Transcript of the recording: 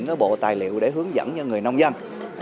cái bộ tài liệu để hướng dẫn cho người nông dân